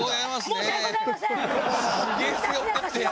申し訳ございません！